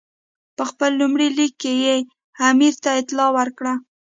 په خپل لومړي لیک کې یې امیر ته اطلاع ورکړه.